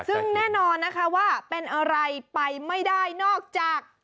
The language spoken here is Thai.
ซึ่งแน่นอนนะคะว่าเป็นอะไรไปไม่ได้นอกจาก